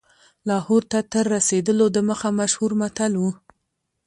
لاهور ته تر رسېدلو دمخه مشهور متل و.